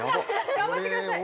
頑張ってください！